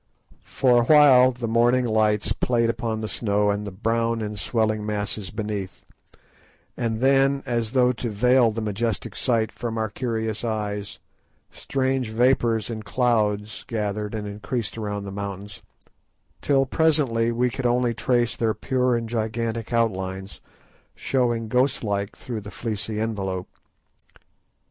For a while the morning lights played upon the snow and the brown and swelling masses beneath, and then, as though to veil the majestic sight from our curious eyes, strange vapours and clouds gathered and increased around the mountains, till presently we could only trace their pure and gigantic outlines, showing ghostlike through the fleecy envelope.